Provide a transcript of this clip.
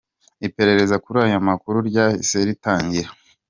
Iperereza kuri aya makuru ryahise ritangira.